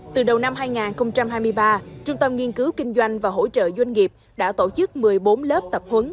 từ đầu năm hai nghìn hai mươi ba trung tâm nghiên cứu kinh doanh và hỗ trợ doanh nghiệp đã tổ chức một mươi bốn lớp tập huấn